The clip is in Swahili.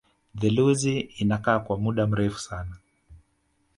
Theluji inakaa kwa muda mrefu sana